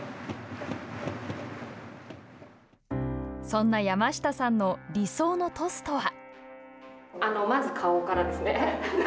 そんな山下さんの理想のトスとは。